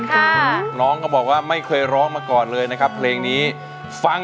คุณยายแดงคะทำไมต้องซื้อลำโพงและเครื่องเสียง